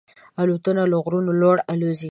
الوتکه له غرونو لوړ الوزي.